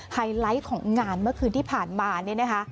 ไฮไลท์ของงานเมื่อคืนที่ผ่านมาเนี่ยนะคะ